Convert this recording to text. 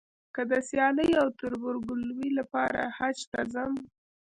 که د سیالۍ او تربورګلوۍ لپاره حج ته ځم.